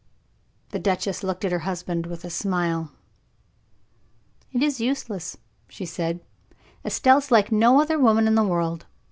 The duchess looked at her husband with a smile. "It is useless," she said. "Estelle is like no other woman in the world.